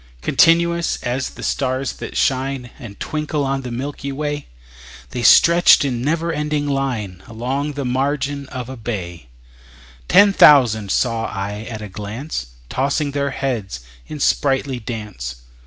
Continuous as the stars that shine And twinkle on the milky way, The stretched in never ending line Along the margin of a bay: Ten thousand saw I at a glance, Tossing their heads in sprightly dance.